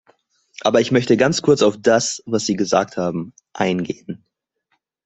Aber ich möchte ganz kurz auf das, was Sie gesagt haben, eingehen.